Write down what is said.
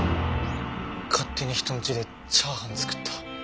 勝手に人んちでチャーハン作った。